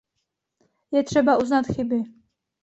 Je třeba uznat chyby.